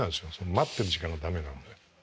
待ってる時間が駄目なので。